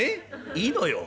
いいのよ」。